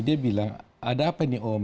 dia bilang ada apa nih om